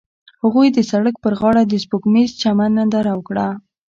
هغوی د سړک پر غاړه د سپوږمیز چمن ننداره وکړه.